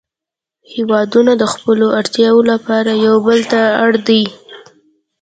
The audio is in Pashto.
هیوادونه د خپلو اړتیاوو لپاره یو بل ته اړ دي